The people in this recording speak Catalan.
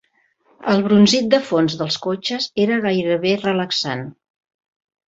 El brunzit de fons dels cotxes era gairebé relaxant.